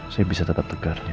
saya bisa tetap tegar